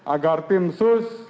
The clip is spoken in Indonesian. agar tim sus